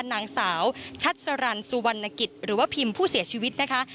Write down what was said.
นางสาวชัดสรรสุวรรณกิจหรือว่าพิมผู้เสียชีวิตนะคะ